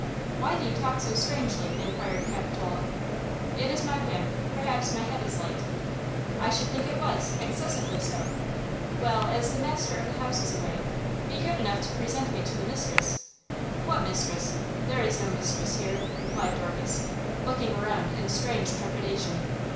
"Why do you talk so strangely?" inquired Capitola. "It is my whim. Perhaps my head is light." "I should think it was, excessively so! Well–as the master of the house is away, be good enough to present me to the mistress?" "What mistress? There is no mistress here!" replied Dorcas, looking around in strange trepidation.